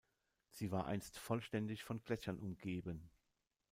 Sie war einst vollständig von Gletschern umgeben.